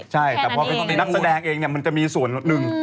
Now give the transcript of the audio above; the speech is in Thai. ใช่แต่พวกนักแสดงเองมันจะเป็นส่วนหนึ่ง